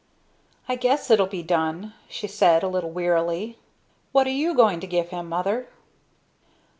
"I guess it'll be done," she said, a little wearily. "What are you going to give him, mother?"